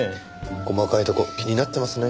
細かいとこ気になってますね。